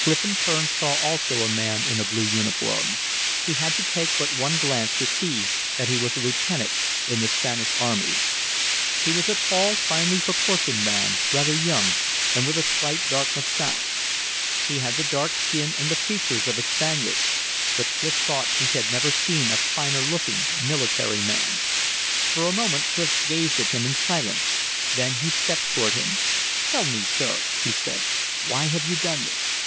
Clif in turn saw also a man in a blue uniform; he had to take but one glance to see that he was a lieutenant in the Spanish army. He was a tall, finely proportioned man, rather young, and with a slight dark mustache. He had the dark skin and the features of a Spaniard; but Clif thought he had never seen a finer looking military man. For a moment Clif gazed at him in silence. Then he stepped toward him. "Tell me, sir," he said. "Why have you done this?"